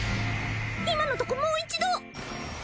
今のとこもう一度。